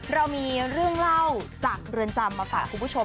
เรามีเรื่องเล่าจากเรือนจำมาฝากคุณผู้ชม